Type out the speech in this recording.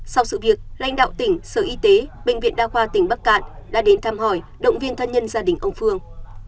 sau sự việc lãnh đạo tỉnh sở y tế bệnh viện đa khoa tỉnh bắc cạn đã đến thăm hỏi động viên thân nhân gia đình ông phương